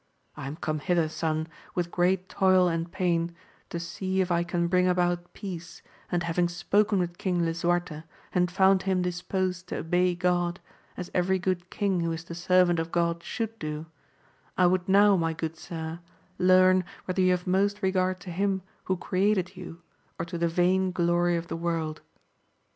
I am come hither, son, with great toil and pain, to see if I can bring about peace, and having spoken with Bang Lisuarte, and found him disposed to obey God, as every good king who is the servant of God should do, I would now, my good sir, learn, whether you have most regard to him who created you, or to the vain glory of the world.